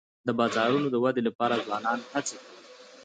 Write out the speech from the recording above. د بازارونو د ودي لپاره ځوانان هڅې کوي.